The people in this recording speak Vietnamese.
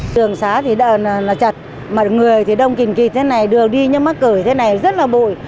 đường xá thì đợn là chật mà người thì đông kìm kìm thế này đường đi như mắc cửi thế này rất là bụi